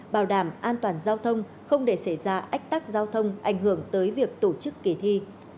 bảo đảm an toàn giao thông không để xảy ra ách tắc giao thông ảnh hưởng tới việc tổ chức kỳ thi